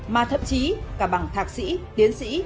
mà thậm chí cả bằng thạc sĩ tiến sĩ